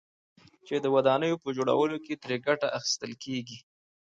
چې د ودانيو په جوړولو كې ترې گټه اخيستل كېږي،